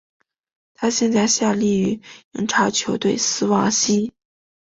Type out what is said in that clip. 他现在效力于英超球队斯旺西。